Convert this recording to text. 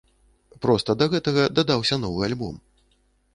Проста да гэтага дадаўся новы альбом.